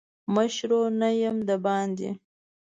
مشرو نه یم دباندي.